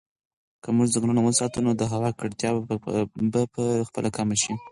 که موږ ځنګلونه وساتو نو د هوا ککړتیا به په خپله کمه شي.